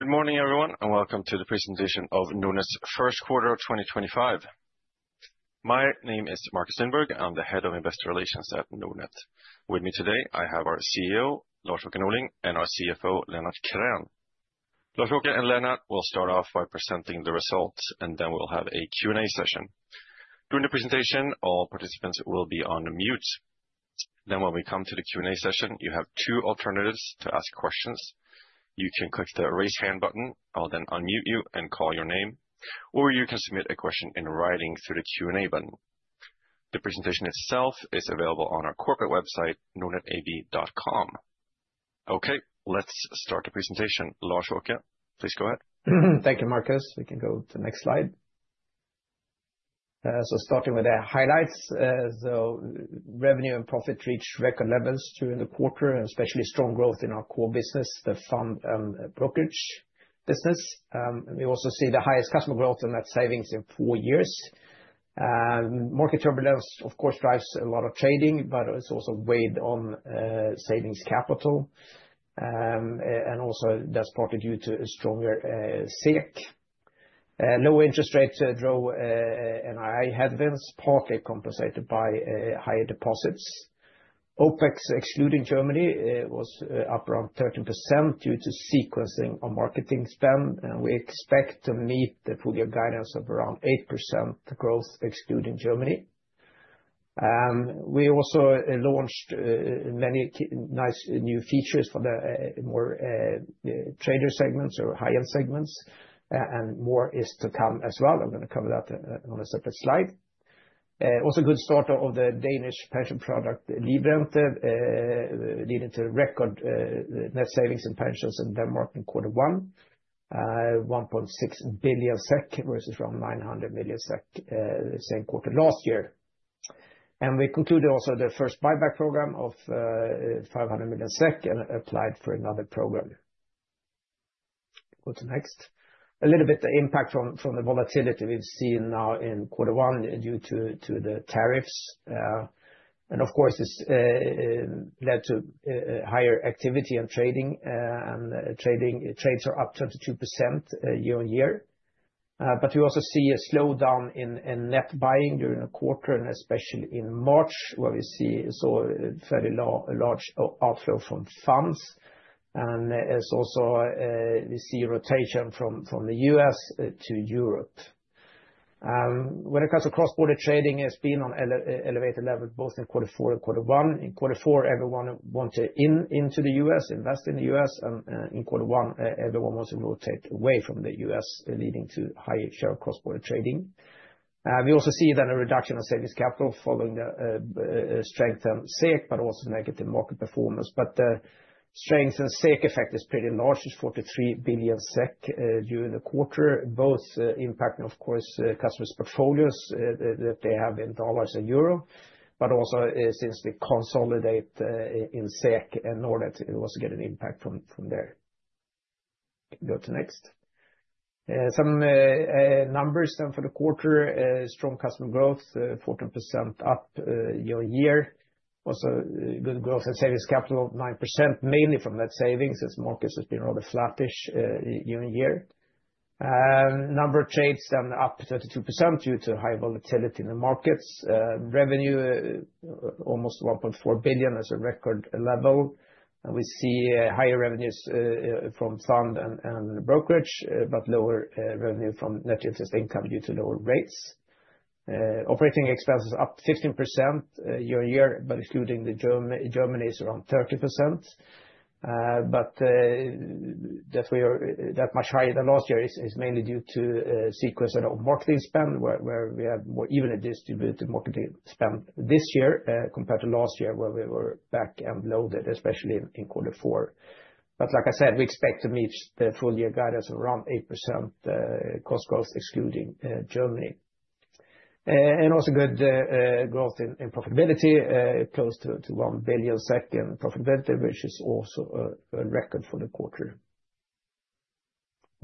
Good morning, everyone, and welcome to the presentation of Nordnet's first quarter of 2025. My name is Marcus Lindberg, and I'm the Head of Investor Relations at Nordnet. With me today, I have our CEO, Lars-Åke Norling, and our CFO, Lennart Krän. Lars-Åke and Lennart will start off by presenting the results, and then we'll have a Q&A session. During the presentation, all participants will be on mute. When we come to the Q&A session, you have two alternatives to ask questions. You can click the raise hand button. I'll then unmute you and call your name, or you can submit a question in writing through the Q&A button. The presentation itself is available on our corporate website, nordnetab.com. Okay, let's start the presentation. Lars-Åke, please go ahead. Thank you, Marcus. We can go to the next slide. Starting with the highlights, revenue and profit reached record levels during the quarter, and especially strong growth in our core business, the fund and brokerage business. We also see the highest customer growth and net savings in four years. Market turbulence, of course, drives a lot of trading, but it has also weighed on savings capital, and that is partly due to a stronger SEK. Low interest rates drove NII headwinds, partly compensated by higher deposits. OPEX, excluding Germany, was up around 13% due to sequencing or marketing spend, and we expect to meet the full year guidance of around 8% growth, excluding Germany. We also launched many nice new features for the more trader segments or high-end segments, and more is to come as well. I am going to cover that on a separate slide. Also, good start of the Danish pension product, Livrente, leading to record net savings in pensions in Denmark in quarter one, 1.6 billion SEK versus around 900 million SEK same quarter last year. We concluded also the first buyback program of 500 million SEK and applied for another program. Go to next. A little bit of impact from the volatility we've seen now in quarter one due to the tariffs. Of course, this led to higher activity and trading, and trading trades are up 22% year-on-year. We also see a slowdown in net buying during the quarter, and especially in March, where we see so fairly large outflow from funds. It is also we see rotation from the U.S. to Europe. When it comes to cross-border trading, it's been on elevated level both in quarter four and quarter one. In quarter four, everyone wanted into the U.S., invest in the U.S., and in quarter one, everyone wants to rotate away from the U.S., leading to higher share of cross-border trading. We also see then a reduction of savings capital following the strengthened SEK, but also negative market performance. The strength and SEK effect is pretty large, 43 billion SEK during the quarter, both impacting, of course, customers' portfolios that they have in dollars and euro, but also since we consolidate in SEK at Nordnet, it was to get an impact from there. Go to next. Some numbers then for the quarter, strong customer growth, 14% up year-on-year. Also, good growth in savings capital, 9% mainly from net savings, as markets has been rather flattish year-on-year. Number of trades then up 32% due to high volatility in the markets. Revenue, almost 1.4 billion as a record level. We see higher revenues from fund and brokerage, but lower revenue from net interest income due to lower rates. Operating expenses up 15% year-on-year, but excluding Germany, it's around 30%. That much higher than last year is mainly due to sequence and marketing spend, where we have more evenly distributed marketing spend this year compared to last year, where we were back and loaded, especially in quarter four. Like I said, we expect to meet the full year guidance of around 8% cost growth, excluding Germany. Also good growth in profitability, close to 1 billion in profitability, which is also a record for the quarter.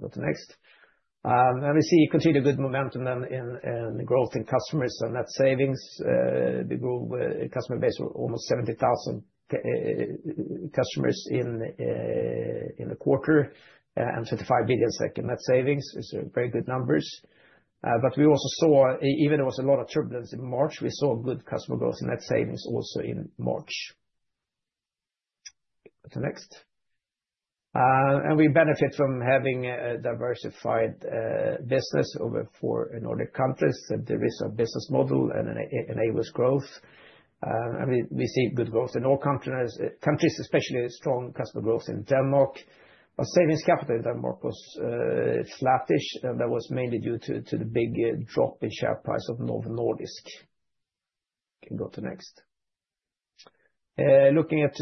Go to next. We see continued good momentum then in growth in customers and net savings. We grew customer base for almost 70,000 customers in the quarter and 35 billion in net savings, which are very good numbers. We also saw, even though there was a lot of turbulence in March, we saw good customer growth in net savings also in March. Go to next. We benefit from having a diversified business over four Nordic countries. The risk of business model enables growth. We see good growth in all countries, especially strong customer growth in Denmark. Savings capital in Denmark was flattish, and that was mainly due to the big drop in share price of Novo Nordisk. Can go to next. Looking at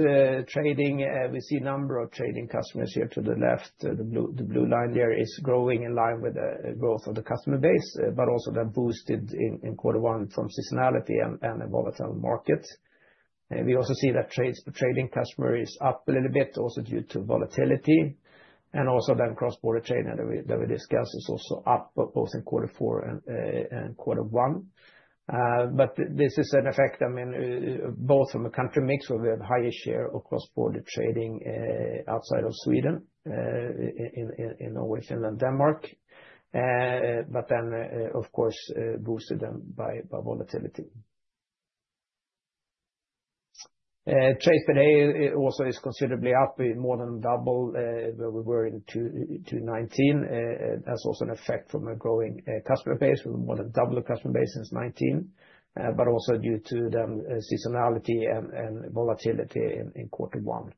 trading, we see a number of trading customers here to the left. The blue line there is growing in line with the growth of the customer base, but also then boosted in quarter one from seasonality and a volatile market. We also see that trading customer is up a little bit, also due to volatility. I mean, also then cross-border trading that we discussed is also up both in quarter four and quarter one. This is an effect, I mean, both from a country mix where we have higher share of cross-border trading outside of Sweden, in Norway, Finland, Denmark. Of course, boosted then by volatility. Trade per day also is considerably up, more than double where we were in 2019. That is also an effect from a growing customer base, more than double the customer base since 2019, but also due to then seasonality and volatility in quarter one.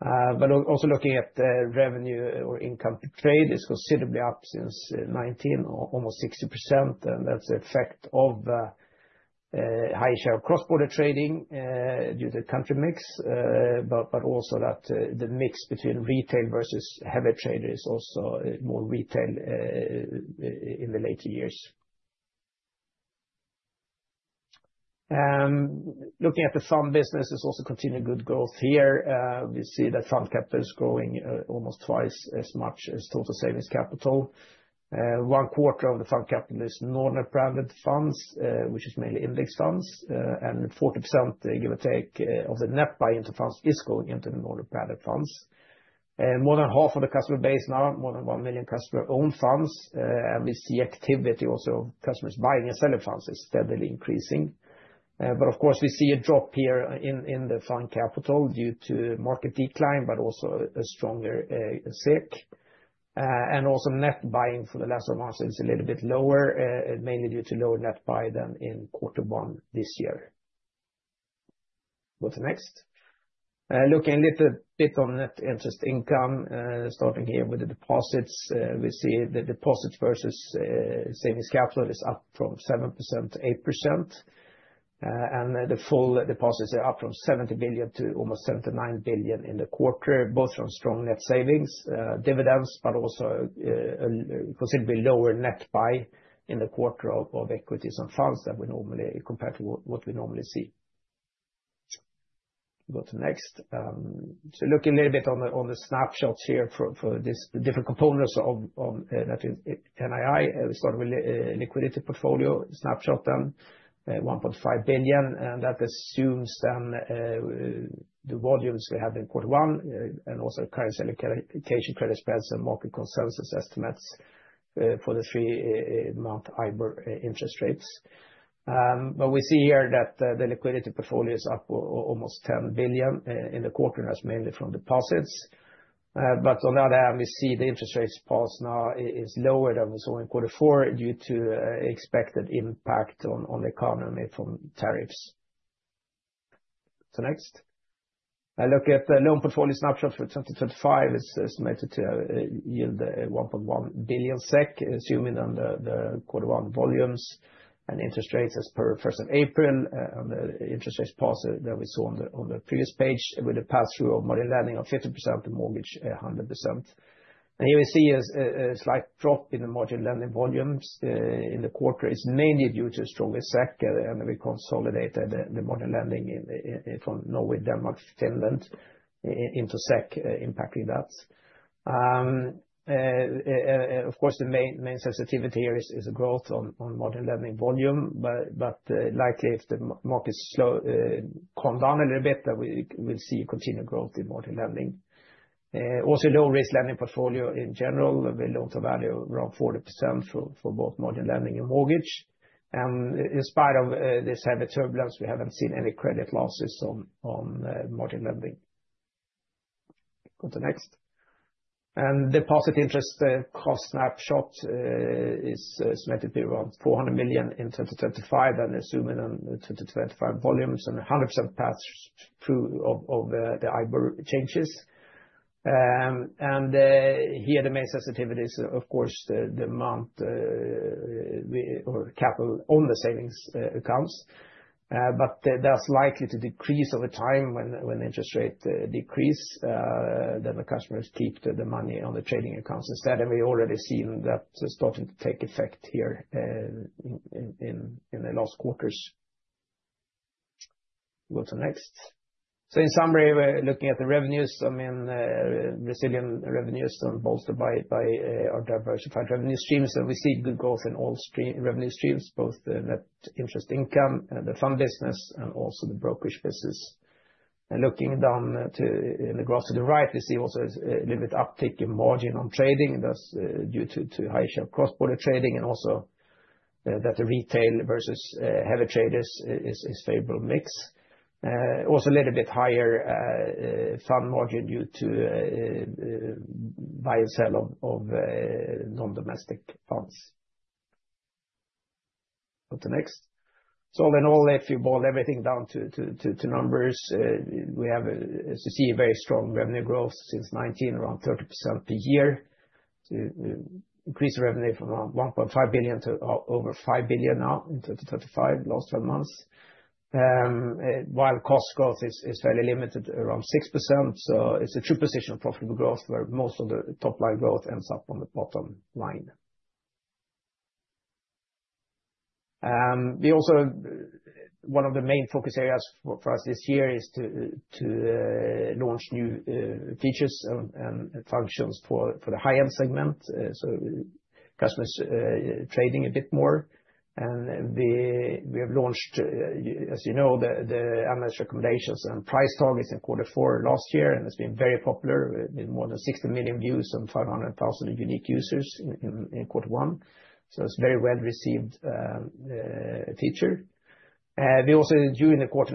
Also looking at revenue or income per trade, it is considerably up since 2019, almost 60%, and that is the effect of high share of cross-border trading due to country mix, but also that the mix between retail versus heavy traders is also more retail in the later years. Looking at the fund business, there is also continued good growth here. We see that fund capital is growing almost twice as much as total savings capital. One quarter of the fund capital is Nordnet branded funds, which is mainly index funds, and 40%, give or take, of the net buy into funds is going into the Nordnet branded funds. More than half of the customer base now, more than 1 million customers own funds, and we see activity also of customers buying and selling funds is steadily increasing. Of course, we see a drop here in the fund capital due to market decline, but also a stronger SEK. Also, net buying for the last four months is a little bit lower, mainly due to lower net buy than in quarter one this year. Go to next. Looking a little bit on net interest income, starting here with the deposits, we see the deposits versus savings capital is up from 7%-8%. The full deposits are up from 70 billion to almost 79 billion in the quarter, both from strong net savings, dividends, but also a considerably lower net buy in the quarter of equities and funds that we normally compare to what we normally see. Go to next. Looking a little bit on the snapshots here for these different components of NII, we start with liquidity portfolio snapshot then, 1.5 billion, and that assumes then the volumes we have in quarter one and also current selling credit spreads and market consensus estimates for the three-month IBOR interest rates. We see here that the liquidity portfolio is up almost 10 billion in the quarter, and that's mainly from deposits. On the other hand, we see the interest rate sparse now is lower than we saw in quarter four due to expected impact on the economy from tariffs. To next. I look at the loan portfolio snapshot for 2025. It's estimated to yield 1.1 billion SEK, assuming then the quarter one volumes and interest rates as per 1st of April and the interest rate sparse that we saw on the previous page with the pass-through of margin lending of 50%, the mortgage 100%. Here we see a slight drop in the margin lending volumes in the quarter. It's mainly due to stronger SEK, and we consolidated the margin lending from Norway, Denmark, Finland, into SEK impacting that. Of course, the main sensitivity here is the growth on margin lending volume, but likely if the markets calm down a little bit, we will see continued growth in margin lending. Also, low-risk lending portfolio in general, we loan to value around 40% for both margin lending and mortgage. In spite of this heavy turbulence, we haven't seen any credit losses on margin lending. Go to next. Deposit interest cost snapshot is estimated to be around 400 million in 2025, assuming 2025 volumes and 100% pass-through of the IBOR changes. Here the main sensitivity is, of course, the amount or capital on the savings accounts. That is likely to decrease over time when interest rates decrease, then the customers keep the money on the trading accounts instead, and we have already seen that starting to take effect here in the last quarters. In summary, we are looking at the revenues, I mean, resilient revenues and bolstered by our diversified revenue streams. We see good growth in all revenue streams, both the net interest income, the fund business, and also the brokerage business. Looking down to the graph to the right, we see also a little bit of uptick in margin on trading, that's due to high share of cross-border trading and also that the retail versus heavy traders is a favorable mix. Also a little bit higher fund margin due to buy and sell of non-domestic funds. Go to next. All in all, if you boil everything down to numbers, we have to see very strong revenue growth since 2019, around 30% per year to increase revenue from around 1.5 billion to over 5 billion now in 2025, last 12 months. While cost growth is fairly limited, around 6%. It is a true position of profitable growth where most of the top line growth ends up on the bottom line. We also, one of the main focus areas for us this year is to launch new features and functions for the high-end segment, so customers trading a bit more. We have launched, as you know, the analysts' recommendations and price targets in quarter four last year, and it's been very popular with more than 60 million views and 500,000 unique users in quarter one. It's a very well-received feature. We also, during the quarter,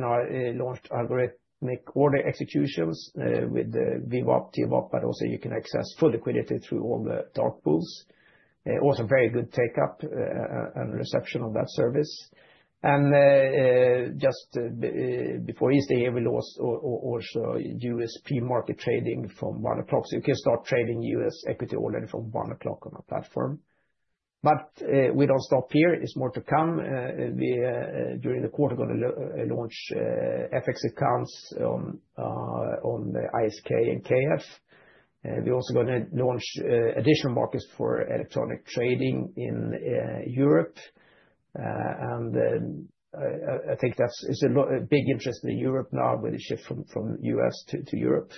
launched algorithmic order executions with the VWAP, TWAP, but also you can access full liquidity through all the dark pools. Also very good take-up and reception of that service. Just before Easter here, we launched also U.S. pre-market trading from 1:00 A.M. You can start trading U.S. equity order from 1:00 A.M. on our platform. We don't stop here. It's more to come. During the quarter, we're going to launch FX accounts on ISK and KF. We're also going to launch additional markets for electronic trading in Europe. I think that's a big interest in Europe now with the shift from U.S. to Europe.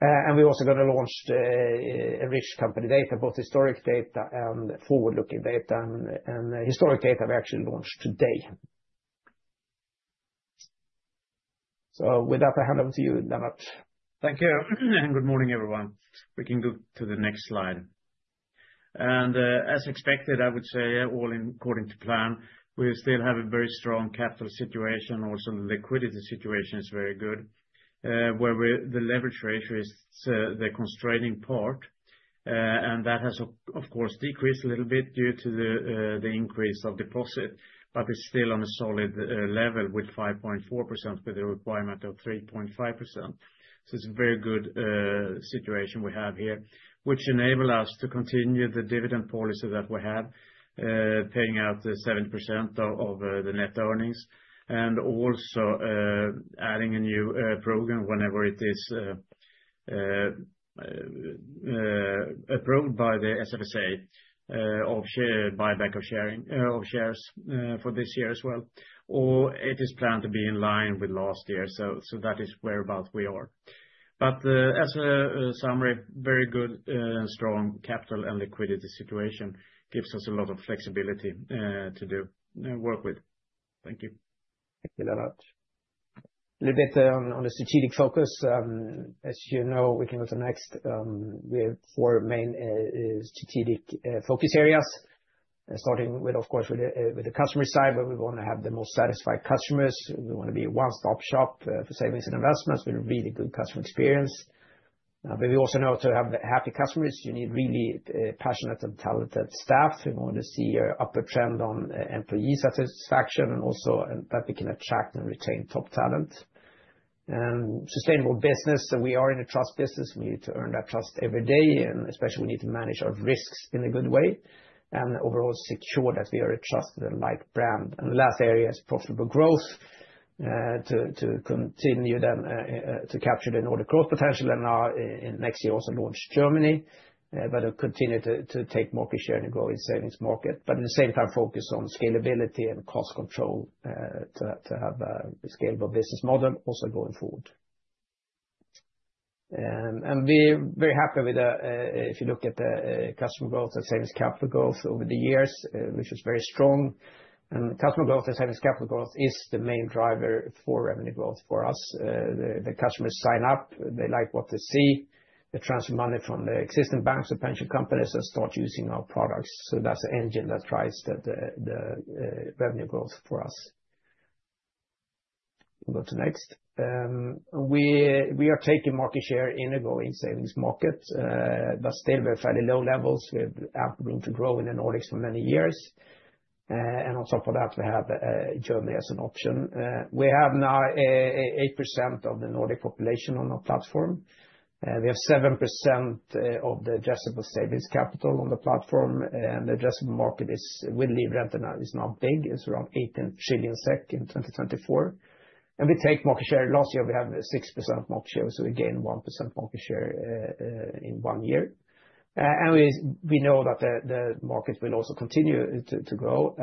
We're also going to launch enriched company data, both historic data and forward-looking data. Historic data we actually launched today. With that, I hand over to you, Lennart. Thank you. Good morning, everyone. We can go to the next slide. As expected, I would say all in according to plan, we still have a very strong capital situation. Also, the liquidity situation is very good, where the leverage ratio is the constraining part. That has, of course, decreased a little bit due to the increase of deposit, but it's still on a solid level with 5.4% with a requirement of 3.5%. It is a very good situation we have here, which enables us to continue the dividend policy that we have, paying out 70% of the net earnings and also adding a new program whenever it is approved by the SFSA of buyback of shares for this year as well. It is planned to be in line with last year. That is where about we are. As a summary, very good and strong capital and liquidity situation gives us a lot of flexibility to do work with. Thank you. Thank you, Lennart. A little bit on the strategic focus. As you know, we can go to next. We have four main strategic focus areas, starting with, of course, with the customer side, where we want to have the most satisfied customers. We want to be a one-stop shop for savings and investments with a really good customer experience. We also know to have happy customers, you need really passionate and talented staff. We want to see an upward trend on employee satisfaction and also that we can attract and retain top talent. A sustainable business, we are in a trust business. We need to earn that trust every day, and especially we need to manage our risks in a good way and overall secure that we are a trusted and liked brand. The last area is profitable growth to continue then to capture the Nordic growth potential and now in next year also launch Germany, but continue to take market share in a growing savings market, but at the same time focus on scalability and cost control to have a scalable business model also going forward. We are very happy with, if you look at the customer growth and savings capital growth over the years, which is very strong. Customer growth and savings capital growth is the main driver for revenue growth for us. The customers sign up, they like what they see, they transfer money from the existing banks or pension companies and start using our products. That is the engine that drives the revenue growth for us. We will go to next. We are taking market share in a growing savings market. That is still very fairly low levels. We have room to grow in the Nordics for many years. On top of that, we have Germany as an option. We have now 8% of the Nordic population on our platform. We have 7% of the addressable savings capital on the platform. The addressable market is, with Librent, now big. It is around 18 trillion SEK in 2024. We take market share. Last year, we had 6% market share, so we gained 1% market share in one year. We know that the market will also continue to grow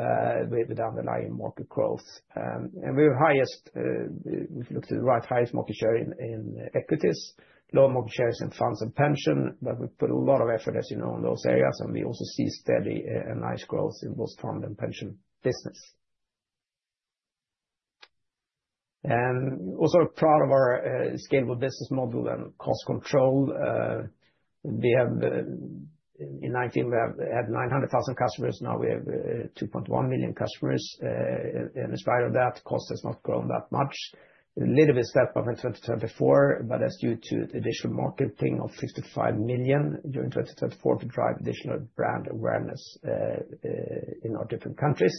with underlying market growth. We have the highest, if you look to the right, highest market share in equities, low market shares in funds and pension. We put a lot of effort, as you know, in those areas, and we also see steady and nice growth in both fund and pension business. We are also proud of our scalable business model and cost control. In 2019, we had 900,000 customers. Now we have 2.1 million customers. In spite of that, cost has not grown that much. A little bit stepped up in 2024, but that's due to additional marketing of 55 million during 2024 to drive additional brand awareness in our different countries.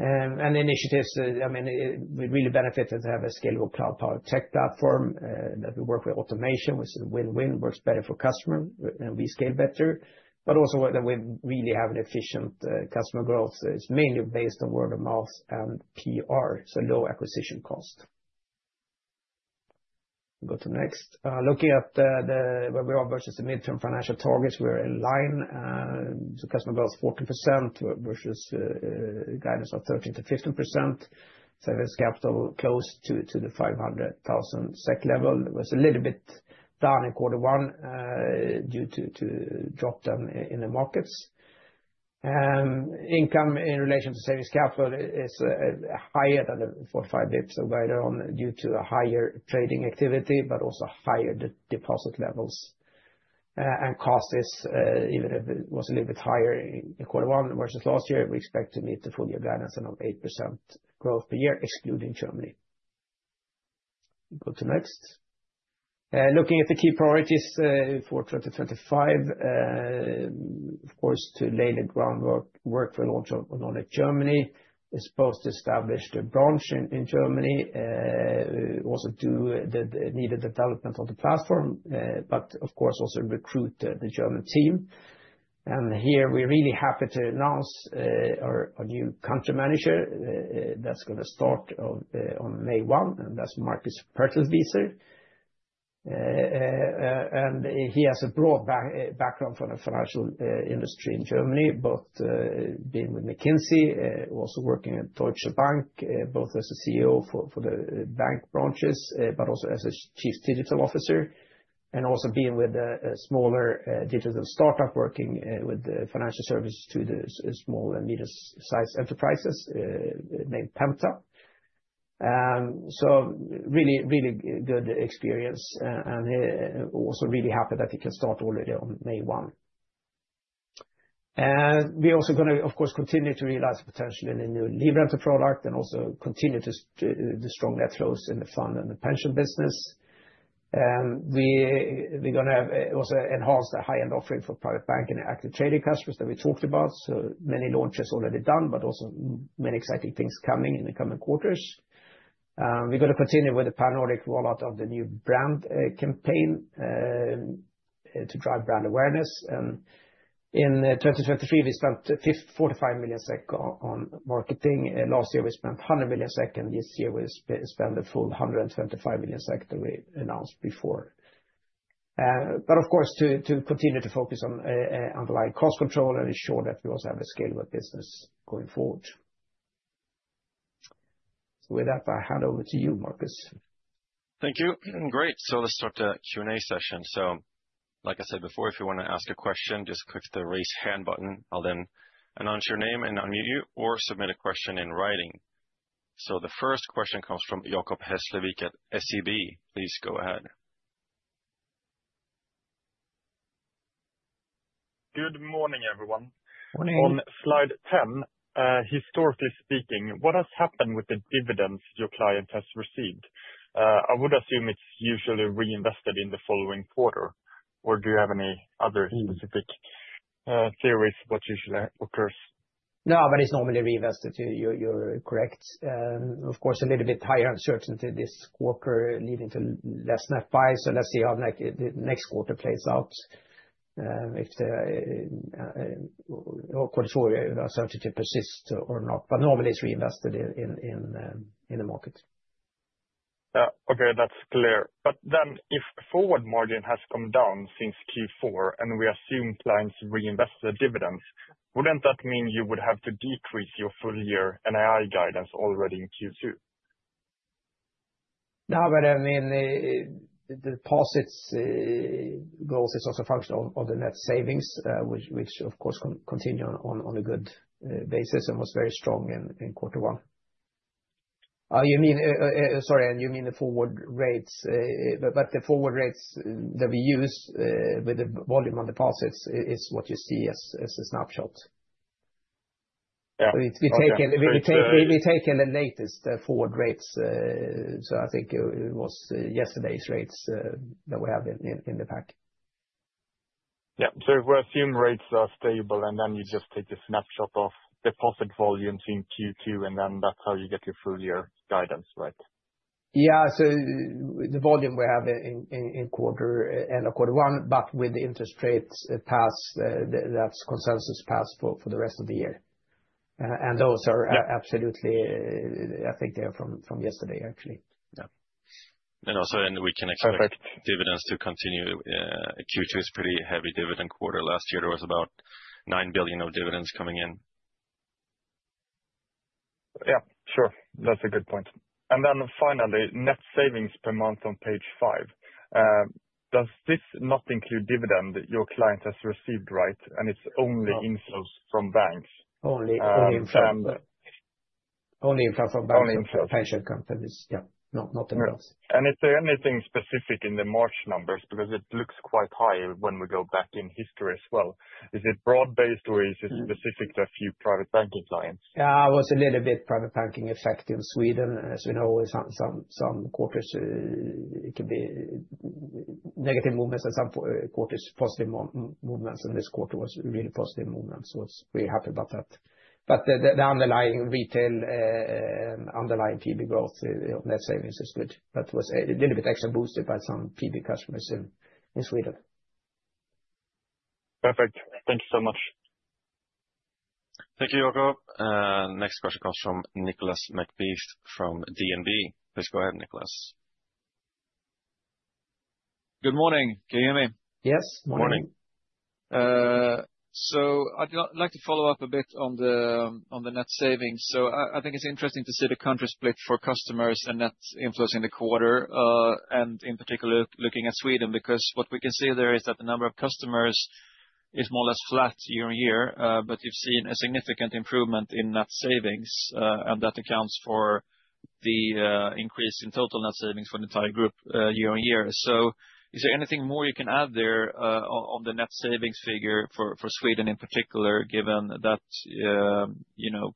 The initiatives, I mean, we really benefited to have a scalable cloud-powered tech platform that we work with automation, which is a win-win, works better for customers, and we scale better. Also that we really have an efficient customer growth. It's mainly based on word of mouth and PR, so low acquisition cost. Go to next. Looking at where we are versus the midterm financial targets, we're in line. Customer growth is 40% versus guidance of 13%-15%. Savings capital close to the 500,000 SEK level. It was a little bit down in quarter one due to a drop in the markets. Income in relation to savings capital is higher than the 45 basis points earlier on due to higher trading activity, but also higher deposit levels. Cost is, even if it was a little bit higher in quarter one versus last year, we expect to meet the full year guidance of 8% growth per year, excluding Germany. Go to next. Looking at the key priorities for 2025, of course, to lay the groundwork for launch of Nordnet Germany. We are supposed to establish the branch in Germany, also do the needed development on the platform, but of course also recruit the German team. Here we are really happy to announce our new country manager that is going to start on May 1, and that is Markus Pirtlwieser. He has a broad background from the financial industry in Germany, both being with McKinsey, also working at Deutsche Bank, both as a CEO for the bank branches, but also as a chief digital officer, and also being with a smaller digital startup working with the financial services to the small and medium-sized enterprises named Penta. Really, really good experience, and also really happy that he can start already on May 1. We are also going to, of course, continue to realize the potential in a new Librent product and also continue to do strong net flows in the fund and the pension business. We are going to also enhance the high-end offering for private banking and active trading customers that we talked about. Many launches already done, but also many exciting things coming in the coming quarters. We're going to continue with the Pan-Nordic rollout of the new brand campaign to drive brand awareness. In 2023, we spent 45 million on marketing. Last year, we spent 100 million, and this year we spend a full 125 million that we announced before. Of course, to continue to focus on underlying cost control and ensure that we also have a scalable business going forward. With that, I hand over to you, Marcus. Thank you. Great. Let's start the Q&A session. Like I said before, if you want to ask a question, just click the raise hand button. I'll then announce your name and unmute you or submit a question in writing. The first question comes from Jacob Hesslevik at SEB. Please go ahead. Good morning, everyone. Morning. On slide 10, historically speaking, what has happened with the dividends your client has received? I would assume it's usually reinvested in the following quarter. Do you have any other specific theories what usually occurs? No, but it's normally reinvested too. You're correct. Of course, a little bit higher uncertainty this quarter leading to less net buys. Let's see how the next quarter plays out. Quartile uncertainty persists or not, but normally it's reinvested in the market. Yeah, okay, that's clear. If forward margin has come down since Q4 and we assume clients reinvested dividends, wouldn't that mean you would have to decrease your full year NAI guidance already in Q2? No, but I mean, the deposits growth is also a function of the net savings, which of course continue on a good basis and was very strong in quarter one. You mean, sorry, and you mean the forward rates, but the forward rates that we use with the volume on deposits is what you see as a snapshot. Yeah. We take in the latest forward rates. I think it was yesterday's rates that we have in the pack. Yeah, we are assuming rates are stable and then you just take a snapshot of deposit volumes in Q2 and then that's how you get your full year guidance, right? Yeah, the volume we have in quarter one, but with the interest rates passed, that's consensus passed for the rest of the year. Those are absolutely, I think they are from yesterday actually. Yeah. Also, we can expect dividends to continue. Q2 is pretty heavy dividend quarter. Last year there was about 9 billion of dividends coming in. Yeah, sure. That's a good point. Finally, net savings per month on page five. Does this not include dividend your client has received, right? It is only inflows from banks. Only inflows from banks. Only inflows from banks and pension companies. Yeah, nothing else. Is there anything specific in the March numbers because it looks quite high when we go back in history as well? Is it broad-based or is it specific to a few private banking clients? Yeah, it was a little bit private banking effect in Sweden. As we know, some quarters can be negative movements and some quarters positive movements. This quarter was really positive movements. We are happy about that. The underlying retail, underlying PB growth of net savings is good. That was a little bit extra boosted by some PB customers in Sweden. Perfect. Thank you so much. Thank you, Jacob. Next question comes from Nicolas McBeath from DNB. Please go ahead, Nicholas. Good morning. Can you hear me? Yes. Morning. Morning. I'd like to follow up a bit on the net savings. I think it's interesting to see the country split for customers and net inflows in the quarter. In particular, looking at Sweden, what we can see there is that the number of customers is more or less flat year-on-year, but you've seen a significant improvement in net savings. That accounts for the increase in total net savings for the entire group year-on-year. Is there anything more you can add there on the net savings figure for Sweden in particular, given that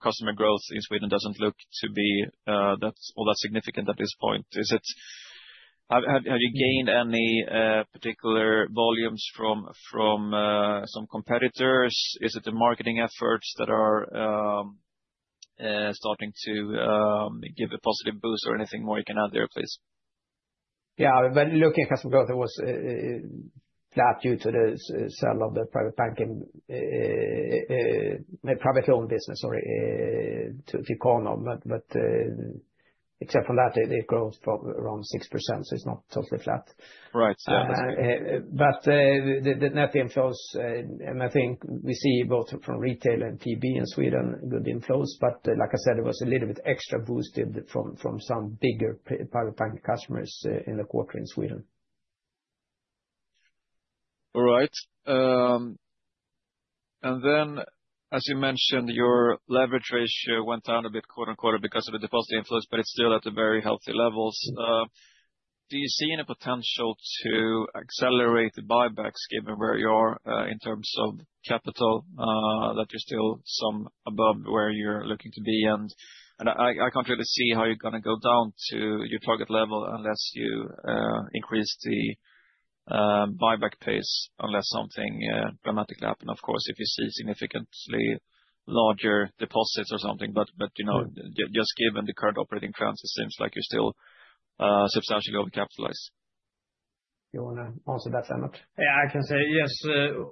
customer growth in Sweden doesn't look to be all that significant at this point? Have you gained any particular volumes from some competitors? Is it the marketing efforts that are starting to give a positive boost or anything more you can add there, please? Yeah, looking at customer growth, it was flat due to the sale of the private banking, private loan business, sorry, to Ikano. Except from that, it grows from around 6%, so it is not totally flat. Right, yeah. The net inflows, and I think we see both from retail and PB in Sweden, good inflows. Like I said, it was a little bit extra boosted from some bigger private banking customers in the quarter in Sweden. All right. As you mentioned, your leverage ratio went down a bit quarter on quarter because of the deposit inflows, but it is still at very healthy levels. Do you see any potential to accelerate the buybacks given where you are in terms of capital that you're still some above where you're looking to be? I can't really see how you're going to go down to your target level unless you increase the buyback pace, unless something dramatically happens, of course, if you see significantly larger deposits or something. Just given the current operating trends, it seems like you're still substantially overcapitalized. You want to answer that, Lennart? Yeah, I can say yes.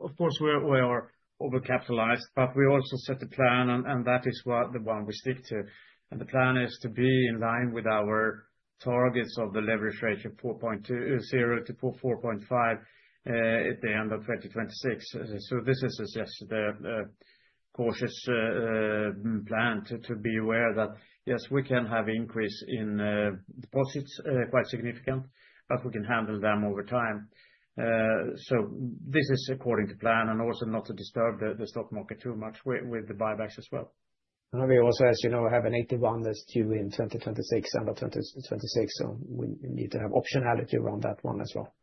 Of course, we are overcapitalized, but we also set a plan, and that is the one we stick to. The plan is to be in line with our targets of the leverage ratio of 4.0%-4.5% at the end of 2026. This is, yes, the cautious plan to be aware that, yes, we can have an increase in deposits, quite significant, but we can handle them over time. This is according to plan and also not to disturb the stock market too much with the buybacks as well. We also, as you know, have an AT1, that's due in 2026, end of 2026. We need to have optionality around that one as well.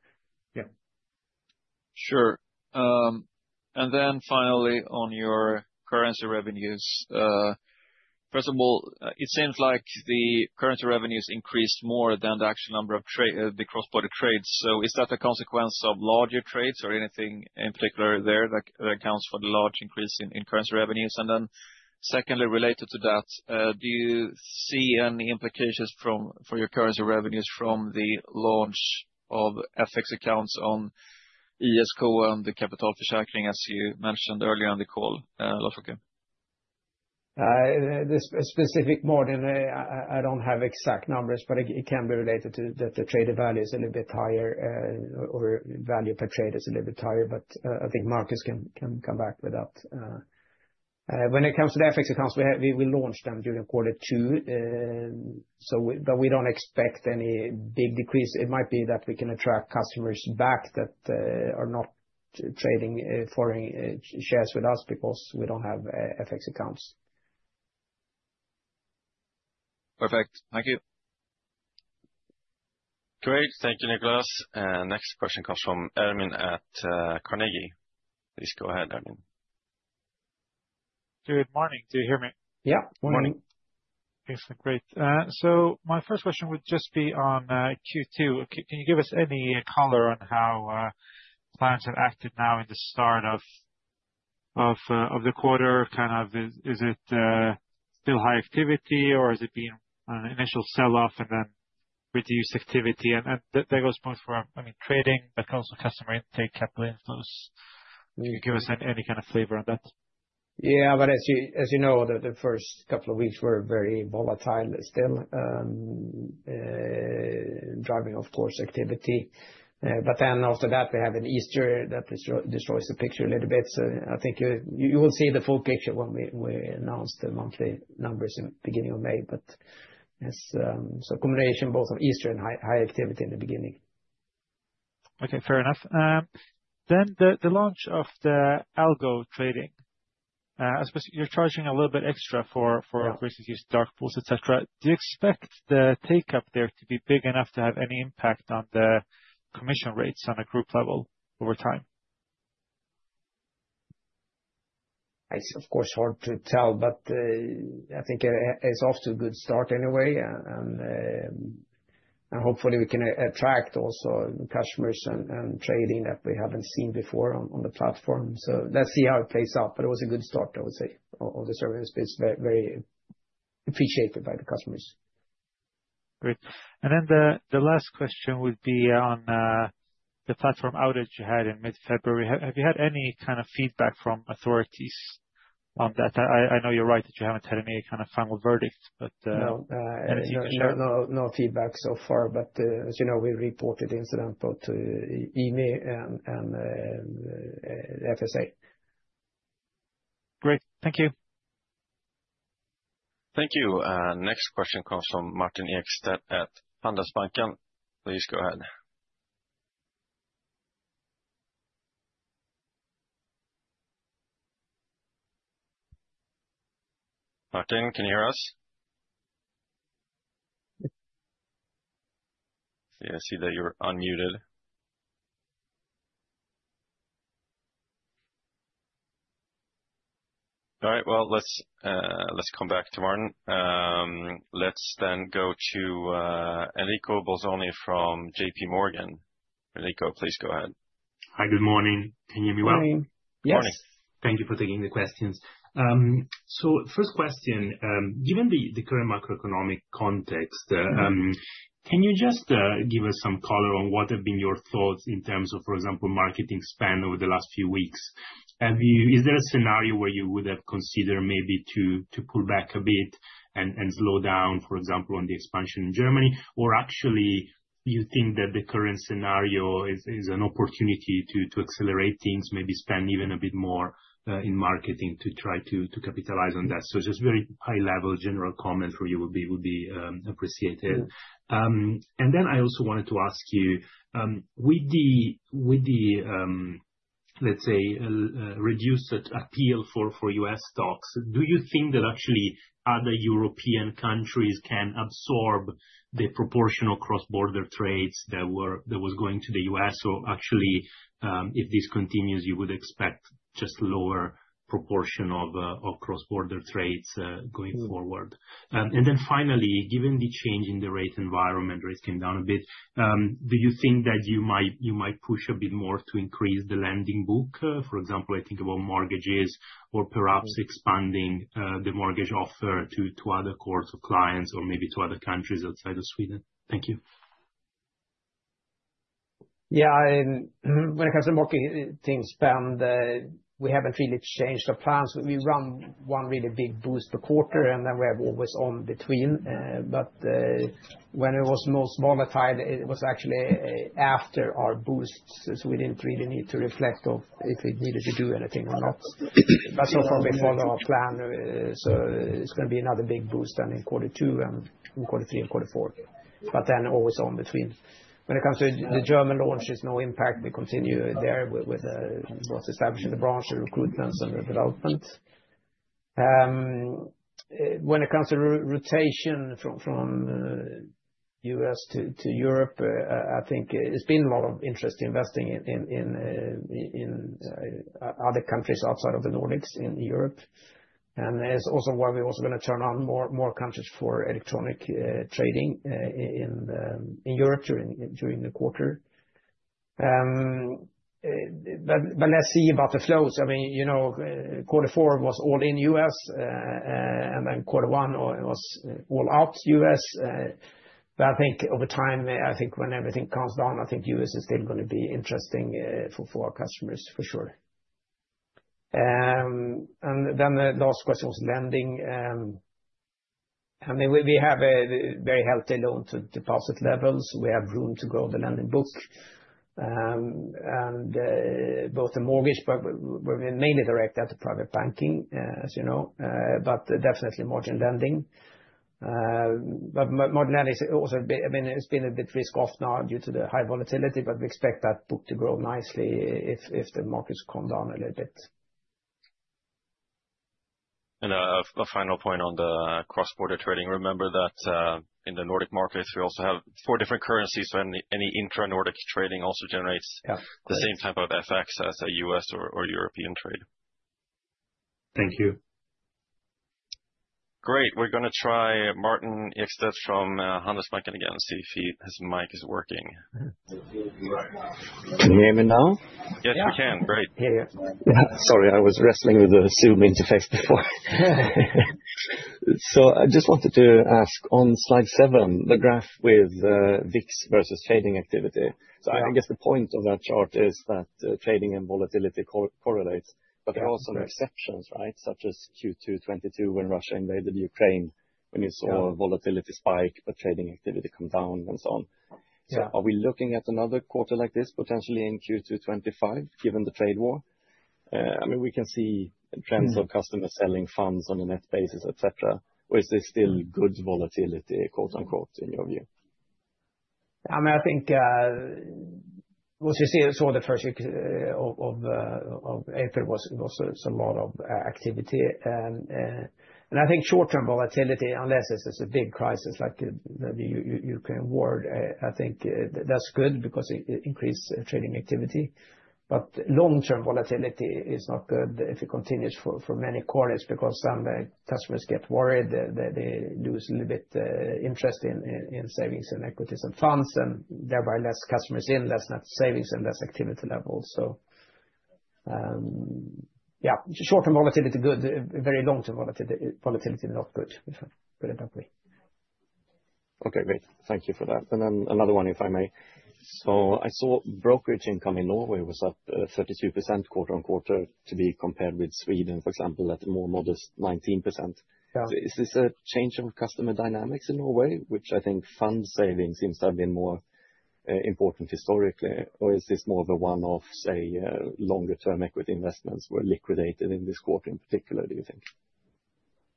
Yeah. Sure. Finally, on your currency revenues, first of all, it seems like the currency revenues increased more than the actual number of the cross-border trades. Is that a consequence of larger trades or anything in particular there that accounts for the large increase in currency revenues? Secondly, related to that, do you see any implications for your currency revenues from the launch of FX accounts on ISK and the Kapitalförsäkring, as you mentioned earlier in the call, Lars-Åke? This specific model, I do not have exact numbers, but it can be related to that the trader value is a little bit higher or value per trade is a little bit higher. I think Marcus can come back with that. When it comes to the FX accounts, we launched them during quarter two, but we do not expect any big decrease. It might be that we can attract customers back that are not trading foreign shares with us because we do not have FX accounts. Perfect. Thank you. Great. Thank you, Nicholas. Next question comes from Ermin at Carnegie. Please go ahead, Ermin. Good morning. Do you hear me? Yeah. Good morning. Yes, great. My first question would just be on Q2. Can you give us any color on how clients have acted now in the start of the quarter? Kind of, is it still high activity or has it been an initial sell-off and then reduced activity? That goes both for, I mean, trading, but also customer intake, capital inflows. Can you give us any kind of flavor on that? Yeah, as you know, the first couple of weeks were very volatile still, driving, of course, activity. After that, we have an Easter that destroys the picture a little bit. I think you will see the full picture when we announce the monthly numbers in the beginning of May. Yes, a combination both of Easter and high activity in the beginning. Okay, fair enough. The launch of the Algo trading, I suppose you're charging a little bit extra for recently used dark pools, etc. Do you expect the take-up there to be big enough to have any impact on the commission rates on a group level over time? It's, of course, hard to tell, but I think it's off to a good start anyway. Hopefully we can attract also customers and trading that we haven't seen before on the platform. Let's see how it plays out, but it was a good start, I would say, of the service. It's very appreciated by the customers. Great. The last question would be on the platform outage you had in mid-February. Have you had any kind of feedback from authorities on that? I know you're right that you haven't had any kind of final verdict, but anything to share? No feedback so far, but as you know, we reported the incident both to EMI and FSA. Great. Thank you. Thank you. Next question comes from Martin Ekstedt at Handelsbanken. Please go ahead. Martin, can you hear us? I see that you're unmuted. All right, let us come back to Martin. Let us then go to Enrico Bolzoni from JP Morgan. Enrico, please go ahead. Hi, good morning. Can you hear me well? Good morning. Yes. Thank you for taking the questions. First question, given the current macroeconomic context, can you just give us some color on what have been your thoughts in terms of, for example, marketing spend over the last few weeks? Is there a scenario where you would have considered maybe to pull back a bit and slow down, for example, on the expansion in Germany? Or actually, do you think that the current scenario is an opportunity to accelerate things, maybe spend even a bit more in marketing to try to capitalize on that? Just very high-level general comment for you would be appreciated. I also wanted to ask you, with the, let's say, reduced appeal for U.S. stocks, do you think that actually other European countries can absorb the proportional cross-border trades that were going to the U.S.? Or actually, if this continues, you would expect just a lower proportion of cross-border trades going forward? Finally, given the change in the rate environment, rates came down a bit, do you think that you might push a bit more to increase the lending book? For example, I think about mortgages or perhaps expanding the mortgage offer to other courts or clients or maybe to other countries outside of Sweden. Thank you. Yeah, when it comes to marketing spend, we have not really changed our plans. We run one really big boost per quarter, and then we have always on between. When it was most volatile, it was actually after our boost, so we did not really need to reflect on if we needed to do anything or not. So far, we follow our plan. It is going to be another big boost in quarter two and in quarter three and quarter four, with always on between. When it comes to the German launch, there is no impact. We continue there with what is established in the branch, the recruitments, and the development. When it comes to rotation from U.S. to Europe, I think there has been a lot of interest investing in other countries outside of the Nordics in Europe. It is also why we are also going to turn on more countries for electronic trading in Europe during the quarter. Let us see about the flows. I mean, quarter four was all in U.S., and then quarter one was all out U.S.. I think over time, I think when everything calms down, I think U.S. is still going to be interesting for our customers, for sure. The last question was lending. I mean, we have a very healthy loan to deposit levels. We have room to grow the lending book. Both the mortgage, but we are mainly directed at the private banking, as you know, but definitely margin lending. Margin lending is also, I mean, it has been a bit risk-off now due to the high volatility, but we expect that book to grow nicely if the markets calm down a little bit. A final point on the cross-border trading. Remember that in the Nordic markets, we also have four different currencies, so any intra-Nordic trading also generates the same type of FX as a U.S. or European trade. Thank you. Great. We're going to try Martin Ekstedt from Handelsbanken again and see if his mic is working. Can you hear me now? Yes, we can. Great. Yeah, yeah. Sorry, I was wrestling with the Zoom interface before. I just wanted to ask, on slide seven, the graph with VIX versus trading activity. I guess the point of that chart is that trading and volatility correlate. There are some exceptions, right? Such as Q2 2022 when Russia invaded Ukraine, when you saw a volatility spike, but trading activity came down and so on. Are we looking at another quarter like this, potentially in Q2 2025, given the trade war? I mean, we can see trends of customers selling funds on a net basis, etc. Is this still good volatility, quote-unquote, in your view? I mean, I think what you saw the first week of April was a lot of activity. I think short-term volatility, unless it's a big crisis like the Ukraine war, I think that's good because it increased trading activity. Long-term volatility is not good if it continues for many quarters because some customers get worried. They lose a little bit of interest in savings and equities and funds, and thereby less customers in, less net savings, and less activity levels. Yeah, short-term volatility good, very long-term volatility not good, if I put it that way. Okay, great. Thank you for that. I saw brokerage income in Norway was at 32% quarter-on-quarter to be compared with Sweden, for example, at a more modest 19%. Is this a change of customer dynamics in Norway, which I think fund saving seems to have been more important historically? Is this more of a one-off, say, longer-term equity investments were liquidated in this quarter in particular, do you think?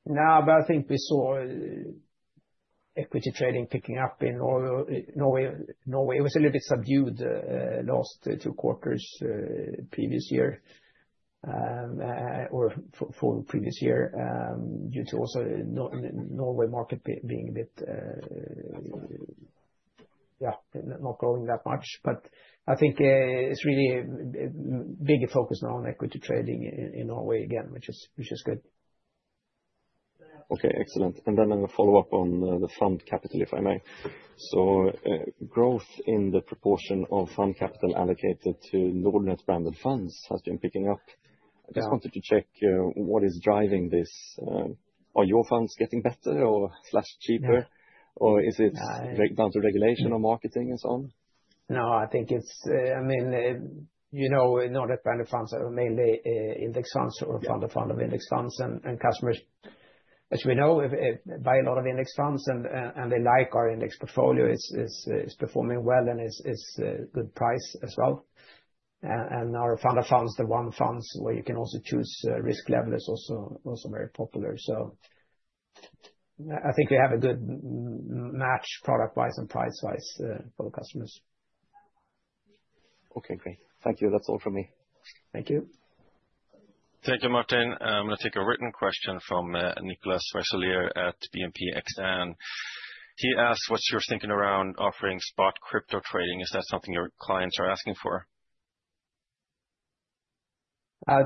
No, but I think we saw equity trading picking up in Norway. It was a little bit subdued last two quarters previous year or for previous year due to also Norway market being a bit, yeah, not growing that much. I think it's really a bigger focus now on equity trading in Norway again, which is good. Okay, excellent. A follow-up on the fund capital, if I may. Growth in the proportion of fund capital allocated to Nordnet branded funds has been picking up. I just wanted to check what is driving this. Are your funds getting better or cheaper? Or is it down to regulation or marketing and so on? No, I think it's, I mean, you know, Nordnet branded funds are mainly index funds or fund of fund of index funds. And customers, as we know, buy a lot of index funds, and they like our index portfolio. It's performing well and it's a good price as well. And our fund of funds, the one funds where you can also choose risk level, is also very popular. I think we have a good match product-wise and price-wise for the customers. Okay, great. Thank you. That's all from me. Thank you. Thank you, Martin. I'm going to take a written question from Nicolas Wesselier at BNP Paribas. He asks, what's your thinking around offering spot crypto trading? Is that something your clients are asking for?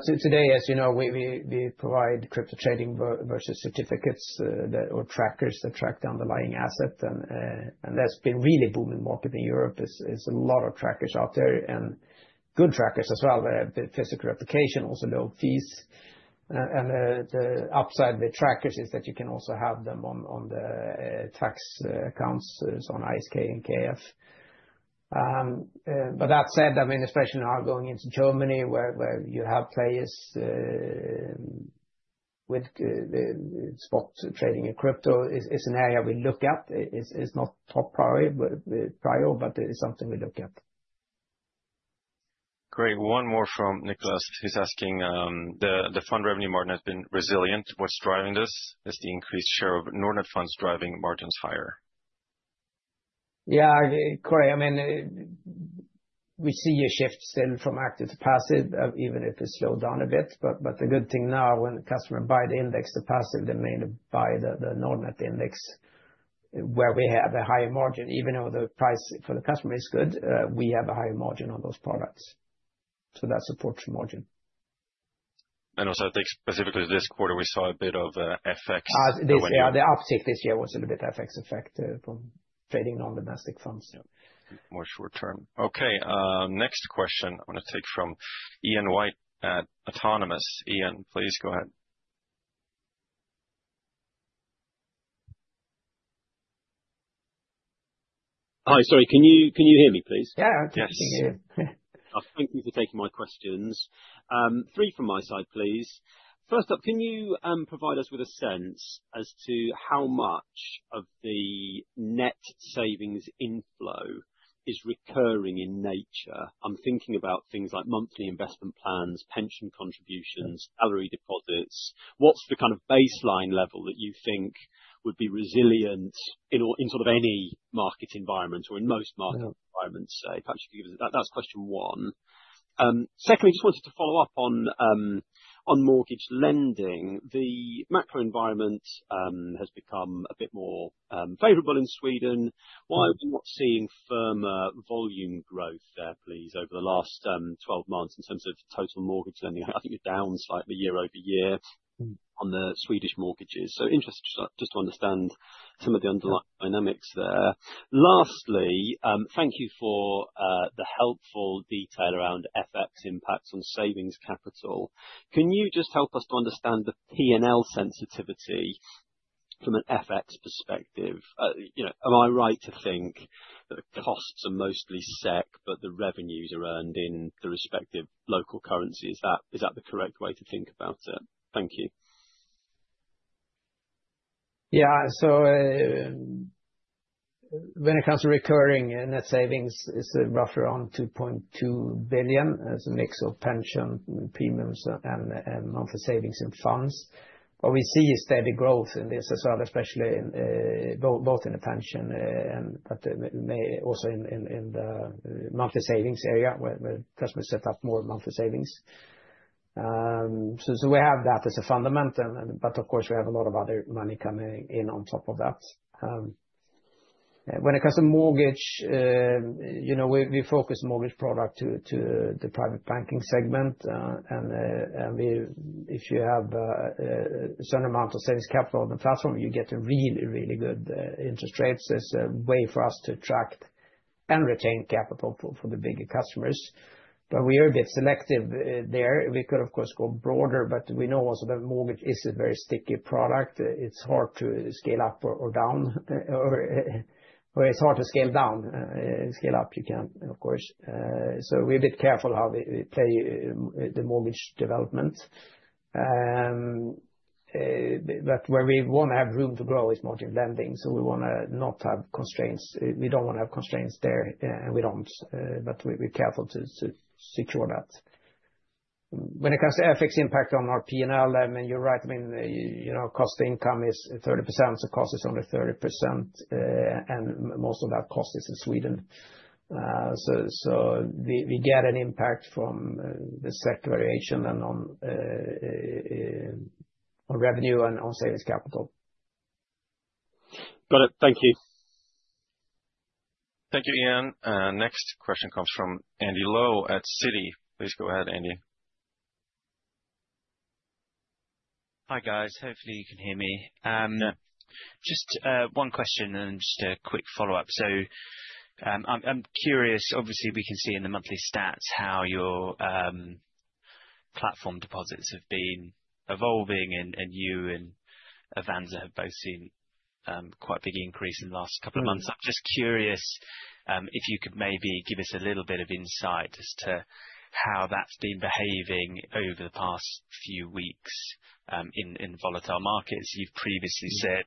Today, as you know, we provide crypto trading versus certificates or trackers that track the underlying asset. And that's been really booming market in Europe. There's a lot of trackers out there and good trackers as well, physical replication, also low fees. The upside with trackers is that you can also have them on the tax accounts, so on ISK and KF. That said, I mean, especially now going into Germany, where you have players with spot trading in crypto, it's an area we look at. It's not top priority, but it's something we look at. Great. One more from Nicholas. He's asking, the fund revenue margin has been resilient. What's driving this? Is the increased share of Nordnet funds driving margins higher? Yeah, correct. I mean, we see a shift still from active to passive, even if it's slowed down a bit. The good thing now, when the customer buys the index to passive, they may buy the Nordnet index where we have a higher margin. Even though the price for the customer is good, we have a higher margin on those products. So that's a portrait margin. I think specifically this quarter, we saw a bit of FX. This year, the uptick this year was a little bit FX effect from trading non-domestic funds. More short-term. Okay, next question. I'm going to take from Ian White at Autonomous. Ian, please go ahead. Hi, sorry. Can you hear me, please? Yeah, I can hear you. Thank you for taking my questions. Three from my side, please. First up, can you provide us with a sense as to how much of the net savings inflow is recurring in nature? I'm thinking about things like monthly investment plans, pension contributions, salary deposits. What's the kind of baseline level that you think would be resilient in sort of any market environment or in most market environments? Perhaps you can give us that. That's question one. Secondly, I just wanted to follow up on mortgage lending. The macro environment has become a bit more favorable in Sweden. Why are we not seeing firmer volume growth there, please, over the last 12 months in terms of total mortgage lending? I think it's down slightly year-over-year on the Swedish mortgages. Interesting just to understand some of the underlying dynamics there. Lastly, thank you for the helpful detail around FX impacts on savings capital. Can you just help us to understand the P&L sensitivity from an FX perspective? Am I right to think that the costs are mostly SEK, but the revenues are earned in the respective local currency? Is that the correct way to think about it? Thank you. Yeah, so when it comes to recurring net savings, it's roughly around 2.2 billion. It's a mix of pension premiums and monthly savings in funds. What we see is steady growth in this as well, especially both in the pension and also in the monthly savings area where customers set up more monthly savings. We have that as a fundamental. Of course, we have a lot of other money coming in on top of that. When it comes to mortgage, we focus mortgage product to the private banking segment. If you have a certain amount of savings capital on the platform, you get really, really good interest rates. It is a way for us to attract and retain capital for the bigger customers. We are a bit selective there. We could, of course, go broader, but we know also that mortgage is a very sticky product. It is hard to scale up or down, or it is hard to scale down. Scale up, you can, of course. We are a bit careful how we play the mortgage development. Where we want to have room to grow is mortgage lending. We want to not have constraints. We do not want to have constraints there, and we do not. We are careful to secure that. When it comes to FX impact on our P&L, I mean, you are right. I mean, cost to income is 30%, so cost is only 30%. Most of that cost is in Sweden. We get an impact from the SEK variation on revenue and on savings capital. Got it. Thank you. Thank you, Ian. Next question comes from Andy Lowe at Citi. Please go ahead, Andy. Hi, guys. Hopefully, you can hear me. Just one question and just a quick follow-up. I am curious, obviously, we can see in the monthly stats how your platform deposits have been evolving, and you and Avanza have both seen quite a big increase in the last couple of months. I am just curious if you could maybe give us a little bit of insight as to how that has been behaving over the past few weeks in volatile markets. You have previously said,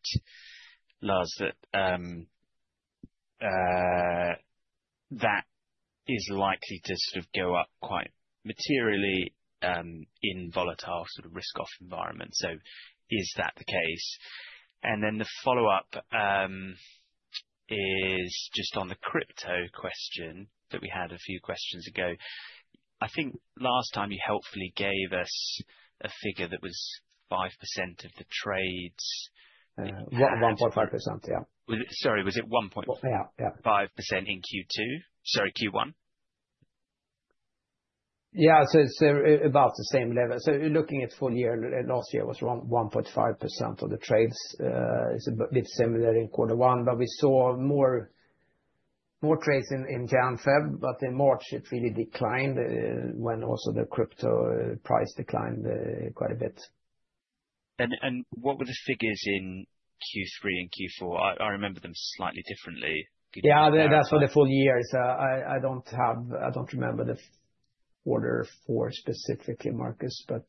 Lars, that that is likely to sort of go up quite materially in volatile sort of risk-off environments. Is that the case? The follow-up is just on the crypto question that we had a few questions ago. I think last time you helpfully gave us a figure that was 5% of the trades. 1.5%, yeah. Sorry, was it 1.5% in Q2? Sorry, Q1? Yeah, it is about the same level. Looking at full year, last year was around 1.5% of the trades. It is a bit similar in quarter one, but we saw more trades in January-February, but in March, it really declined when also the crypto price declined quite a bit. What were the figures in Q3 and Q4? I remember them slightly differently. That is for the full year. I do not remember the order for specifically, Marcus, but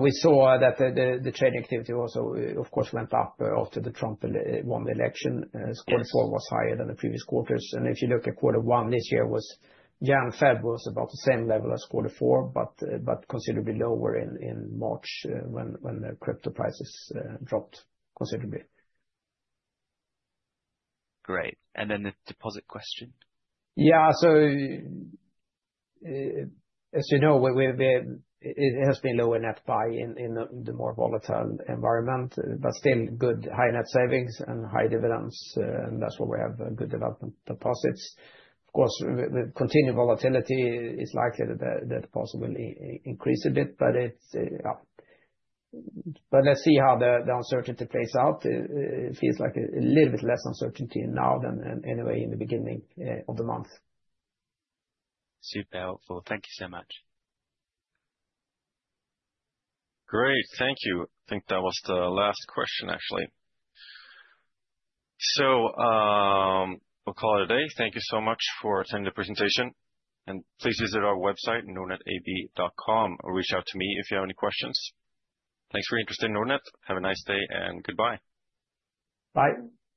we saw that the trading activity also, of course, went up after Trump won the election. Quarter four was higher than the previous quarters. If you look at quarter one this year, January-February was about the same level as quarter four, but considerably lower in March when the crypto prices dropped considerably. Great. The deposit question. As you know, it has been lower net by in the more volatile environment, but still good high net savings and high dividends. That is why we have good development deposits. Of course, with continued volatility, it is likely that the deposit will increase a bit, but let's see how the uncertainty plays out. It feels like a little bit less uncertainty now than anyway in the beginning of the month. Super helpful. Thank you so much. Great. Thank you. I think that was the last question, actually. We will call it a day. Thank you so much for attending the presentation. Please visit our website, nordnetab.com, or reach out to me if you have any questions. Thanks for your interest in Nordnet. Have a nice day and goodbye. Bye.